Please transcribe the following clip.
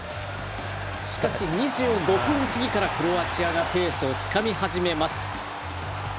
しかし２５分過ぎからクロアチアがペースをつかみ始めます。